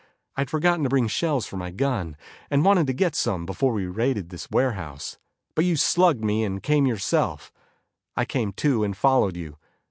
I had forgotten to bring shells for my gun, and wanted to get some before we raided this warehouse. But you slugged me and came yourself. I came to and followed you.